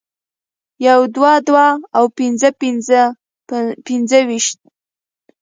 يو دوه دوه او پنځه پنځه پنځویشت